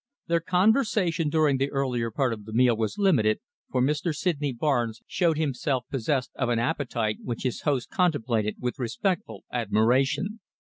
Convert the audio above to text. Their conversation during the earlier part of the meal was limited, for Mr. Sydney Barnes showed himself possessed of an appetite which his host contemplated with respectful admiration.